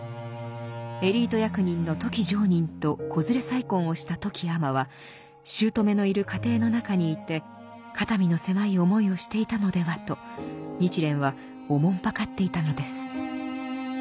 エリート役人の富木常忍と子連れ再婚をした富木尼は姑のいる家庭の中にいて肩身の狭い思いをしていたのではと日蓮は慮っていたのです。